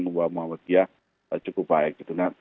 membuat muhammadiyah cukup baik